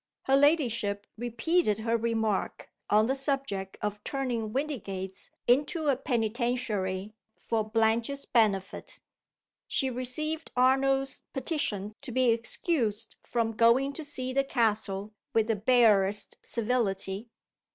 Her ladyship repeated her remark on the subject of turning Windygates into a Penitentiary for Blanche's benefit. She received Arnold's petition to be excused from going to see the castle with the barest civility.